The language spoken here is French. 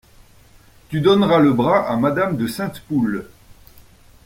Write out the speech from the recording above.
Tu donneras le bras à madame de Sainte-Poule.